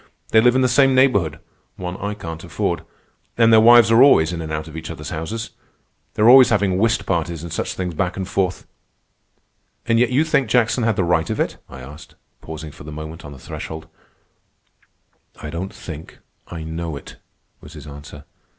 They live in the same neighborhood—one I can't afford. And their wives are always in and out of each other's houses. They're always having whist parties and such things back and forth." "And yet you think Jackson had the right of it?" I asked, pausing for the moment on the threshold. "I don't think; I know it," was his answer.